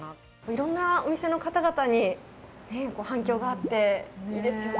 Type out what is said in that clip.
色んなお店の方々に反響があっていいですよね。